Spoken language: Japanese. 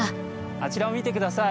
あちらを見て下さい。